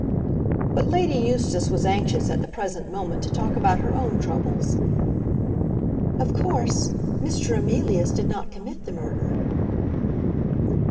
But Lady Eustace was anxious at the present moment to talk about her own troubles. "Of course, Mr. Emilius did not commit the murder."